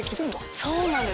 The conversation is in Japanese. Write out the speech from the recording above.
そうなんです